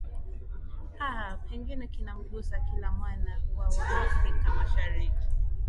aa pengine kinamgusa kila mwana wa wa afrika mashariki